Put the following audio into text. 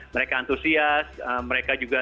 mereka antusias mereka juga